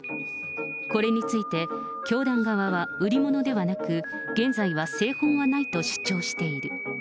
これについて教団側は、売り物ではなく、現在は聖本はないと主張している。